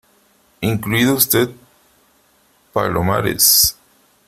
incluido usted , Palomares .